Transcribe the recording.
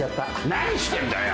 何してんだよ！